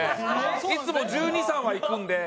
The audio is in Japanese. いつも１２１３はいくので。